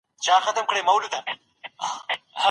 د لویې جرګي ستړي غړي کله د غرمي د ډوډۍ لپاره تفریح کوي؟